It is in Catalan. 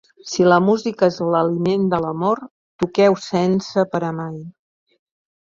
Si la musica és l’aliment de l’amor, toqueu sense parar mai.